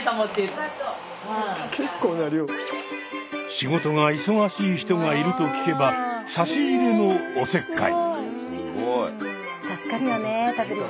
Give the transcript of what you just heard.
仕事が忙しい人がいると聞けば差し入れのおせっかい。